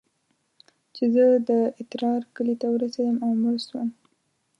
چې زه د اترار کلي ته ورسېدم او مړ سوم.